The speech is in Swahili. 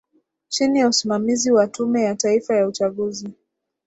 chini ya usimamizi wa tume ya taifa ya uchaguzi